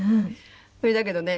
それだけどね